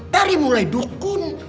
dari mulai dukun